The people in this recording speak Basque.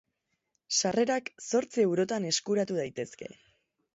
Sarrerak zortzi eurotan eskuratu daitezke.